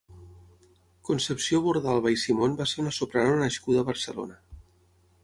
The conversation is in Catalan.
Concepció Bordalba i Simón va ser una soprano nascuda a Barcelona.